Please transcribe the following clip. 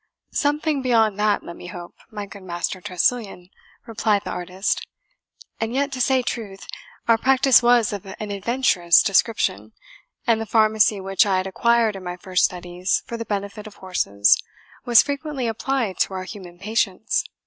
"Something beyond that, let me hope, my good Master Tressilian," replied the artist; "and yet to say truth, our practice was of an adventurous description, and the pharmacy which I had acquired in my first studies for the benefit of horses was frequently applied to our human patients.